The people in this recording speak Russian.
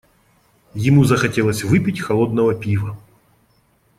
Ему захотелось выпить холодного пива.